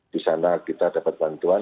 di sana kita dapat bantuan